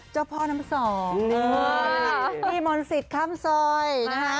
เจ้าพ่อน้ำส่องที่มนต์สิทธิ์ข้ำซอย